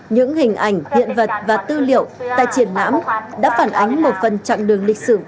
những hình ảnh hiện vật và tư liệu tại triển lãm đã phản ánh một phần chặng đường lịch sử